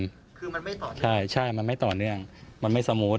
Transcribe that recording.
คือมันไม่ต่อเนื่องใช่ใช่มันไม่ต่อเนื่องมันไม่สมูท